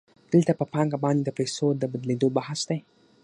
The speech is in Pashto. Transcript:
دلته په پانګه باندې د پیسو د بدلېدو بحث دی